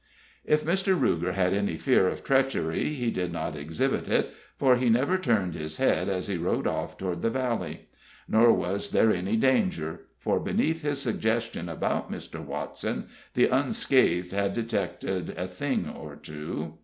If Mr. Ruger had any fear of treachery, he did not exhibit it, for he never turned his head as he rode off toward the valley. Nor was there any danger; for beneath his suggestions about Mr. Watson the unscathed had detected a thing or two.